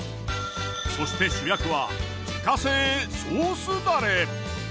そして主役は自家製ソースダレ。